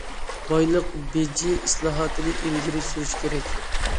بايلىق بېجى ئىسلاھاتىنى ئىلگىرى سۈرۈش كېرەك.